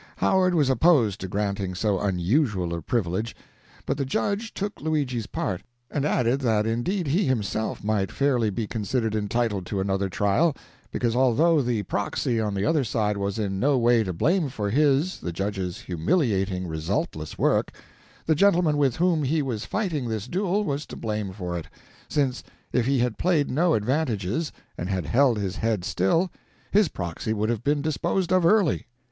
Howard was opposed to granting so unusual a privilege, but the judge took Luigi's part, and added that indeed he himself might fairly be considered entitled to another trial, because although the proxy on the other side was in no way to blame for his (the judge's) humiliatingly resultless work, the gentleman with whom he was fighting this duel was to blame for it, since if he had played no advantages and had held his head still, his proxy would have been disposed of early.